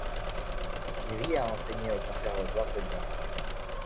Miry a enseigné au Conservatoire de Gand.